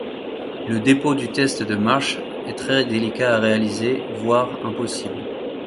Le dépôt du test de Marsh est très délicat à réaliser, voire impossible.